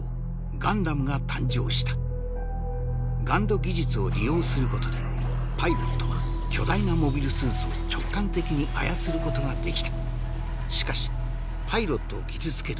ガンダムが誕生したＧＵＮＤ技術を利用することでパイロットは巨大なモビルスーツを直感的に操ることができたしかしパイロットを傷つける